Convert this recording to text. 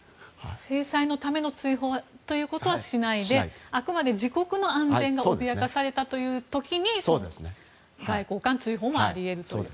制裁のための追放はしないで、あくまで自国の安全が脅かされたという時に外交官追放もあり得ると。